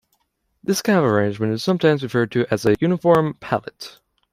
This kind of arrangement is sometimes referred as a "uniform palette".